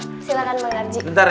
silahkan bang narji